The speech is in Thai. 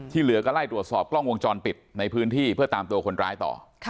เหลือก็ไล่ตรวจสอบกล้องวงจรปิดในพื้นที่เพื่อตามตัวคนร้ายต่อ